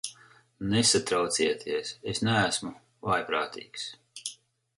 Nesatraucieties, es neesmu vājprātīgs.